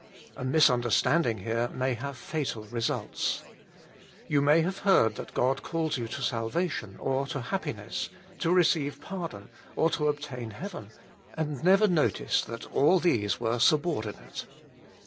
A misunderstanding here may have fatal results. You may have heard that God calls you to salva tion or to happiness, to receive pardon or to obtain heaven, and never noticed that all these were sub ordinate.